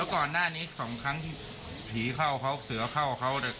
ก่อนหน้านี้สองครั้งที่ผีเข้าเขาเสือเข้าเขา